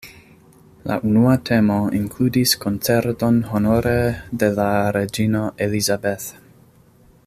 La unua temo inkludis koncerton honore de la reĝino "Elizabeth".